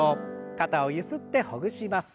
肩をゆすってほぐします。